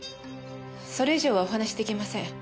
それ以上はお話し出来ません。